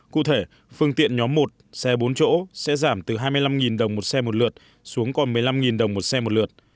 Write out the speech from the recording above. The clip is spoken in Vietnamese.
cụ thể phương tiện nhóm một xe bốn chỗ sẽ giảm từ hai mươi năm đồng một xe một lượt xuống còn một mươi năm đồng một xe một lượt